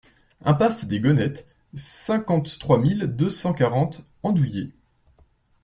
Impasse des Gonettes, cinquante-trois mille deux cent quarante Andouillé